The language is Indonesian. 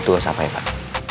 tugas apa ya pak